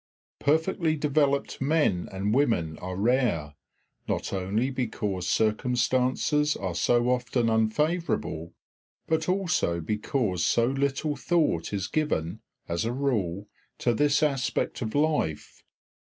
Perfectly developed men and women are rare, not only because circumstances are so often unfavourable, but also because so little thought is given, as a rule, to this aspect of life.